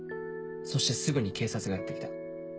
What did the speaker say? そしてすぐに警察がやって来た。